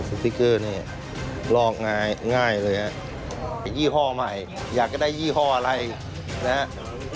สติ๊กเกอร์นี่ลอกง่ายเลยฮะไอ้ยี่ห้อใหม่อยากจะได้ยี่ห้ออะไรนะฮะ